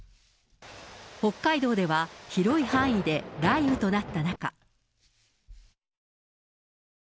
北海道では広い範囲で雷雨となった中。